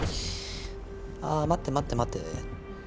ああ待って待って待って。